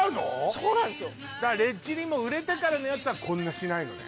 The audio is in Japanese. そうなんですよレッチリも売れてからのやつはこんなしないのね？